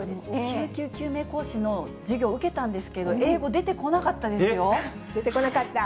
救急救命講師の授業を受けたんですけれども、英語出てこなか出てこなかった？